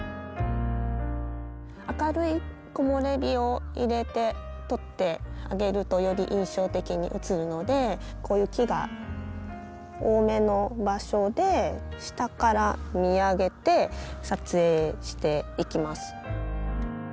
明るい木漏れ日を入れて撮ってあげるとより印象的に写るのでこういう木が多めの場所で下から見上げて撮影していきます。